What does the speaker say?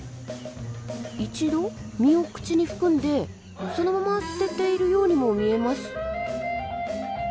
一度実を口に含んでそのまま捨てているようにも見えます。